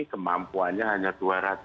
kemampuannya hanya dua lima km saja